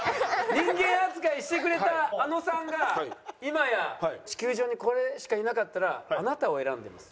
人間扱いしてくれたあのさんが今や地球上にこれしかいなかったらあなたを選んでます。